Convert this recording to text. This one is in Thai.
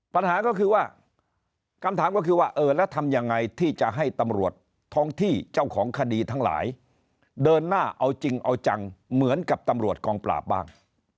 ปัญหาก็คือว่าคำถามก็คือว่าเออแล้วทำยังไงที่จะให้ตำรวจท้องที่เจ้าของคดีทั้งหลายเดินหน้าเอาจริงเอาจังเหมือนกับตำรวจกองปราบบ้าง